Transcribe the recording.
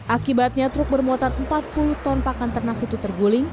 akibatnya truk bermuatan empat puluh ton pakan ternak itu terguling